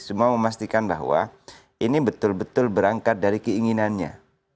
semua memastikan bahwa ini betul betul berangkat dari keinginannya